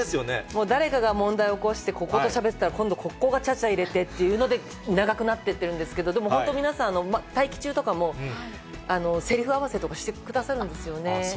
もう誰かが問題を起こして、こことしゃべってたら、今度、ここがちゃちゃ入れてっていうので長くなってってるんですけど、でも本当、皆さん、待機中とかも、せりふ合わせとかしてくださるんですよね。